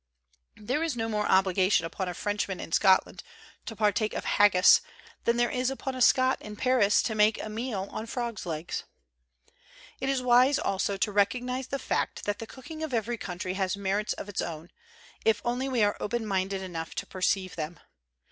There is no more obligation upon a Frenchman in Scotland to partake of haggis, than there is upon a Scot in Paris to make a meal on frogs' legs. It is wise also to recognize the fact that the cooking of every country has merits of its own, if only we are open minded enough to pereeive them.